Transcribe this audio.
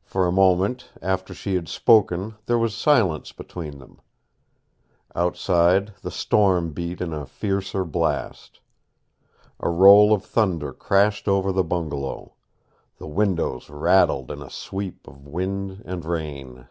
For a moment after she had spoken there was silence between them. Outside the storm beat in a fiercer blast. A roll of thunder crashed over the bungalow. The windows rattled in a sweep of wind and rain.